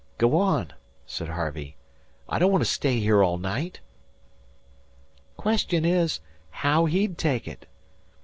"Go on," said Harvey. "I don't want to stay here all night" "Question is, haow he'd take it.